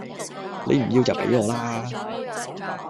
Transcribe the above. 你唔要就畀我啦